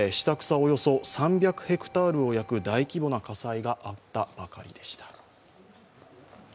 およそ３００ヘクタールを焼く大規模な火災があったばかりでした。